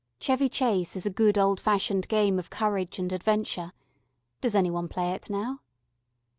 Chevy Chase is a good old fashioned game of courage and adventure. Does any one play it now?